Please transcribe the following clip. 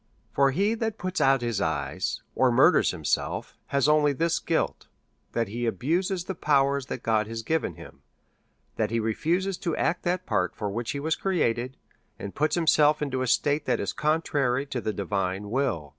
For he that puts out his eyes, or murders himself, has only this guilt, that he abuses the powers that God has given him ; that he refuses to .act that part for which he was created, and puts himself into a state that is contrary to the divine will.